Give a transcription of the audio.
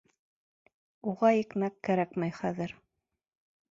— Уға икмәк кәрәкмәй хәҙер.